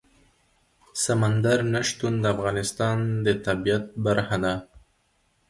سمندر نه شتون د افغانستان د طبیعت برخه ده.